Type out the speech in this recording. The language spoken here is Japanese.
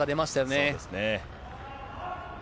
そうですね。